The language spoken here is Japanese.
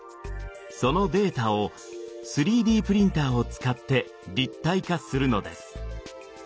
そのデータを３Ｄプリンターを使って立体化するのです。